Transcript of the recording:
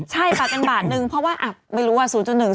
ใช่ปัดกันบาทนึงเพราะว่าอ่ะไม่รู้อ่ะ๐๑๒